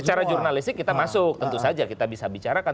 secara jurnalistik kita masuk tentu saja kita bisa bicarakan